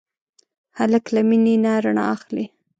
هلک له مینې نه رڼا اخلي.